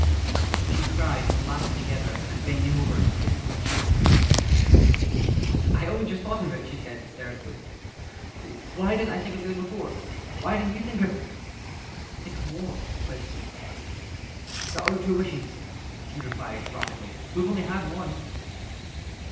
She cried and laughed together, and bending over, kissed his cheek. "I only just thought of it," she said, hysterically. "Why didn't I think of it before? Why didn't you think of it?" "Think of what?" he questioned. "The other two wishes," she replied, rapidly. "We've only had one."